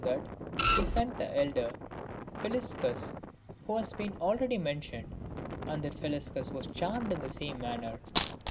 that, he sent the elder, Philiscus, who has been already men tioned, and that Philiscus was charmed in the same manner.